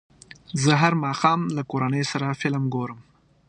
زه هر ماښام له کورنۍ سره فلم ګورم.